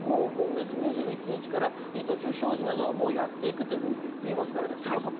２１日から伊藤忠商事などはやっていくと言っています。